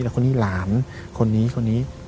แล้วคนนี้หลานคนนี้คนนี้